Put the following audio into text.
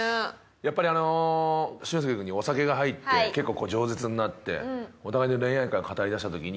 やっぱり俊介くんにお酒が入って結構饒舌になってお互いの恋愛観を語りだした時に